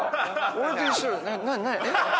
俺と一緒。